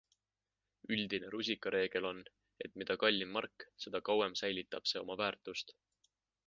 Üldine rusikareegel on, et mida kallim mark, seda kauem säilitab see oma väärtust.